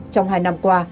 trong hai năm qua